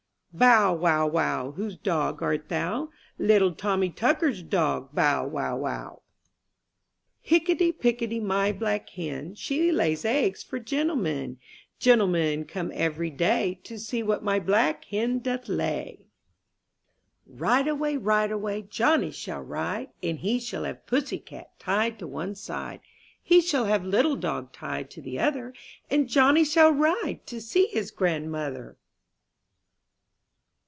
T^OW, wow, wow, whose dog art thou? LittleTommy Tucker's dog, bow, wow, wow. II MY BOOK HOUSE TTICKETY, pickety, my black hen, ■■'■' She lays eggs for gentlemen; Gentlemen come every day To see what my black hen doth lay. "O IDE away, ride away, ■^ Johnny shall ride. And he shall have pussy cat Tied to one side; He shall have little dog Tied to the other. And Johnny shall ride To see his grandmother.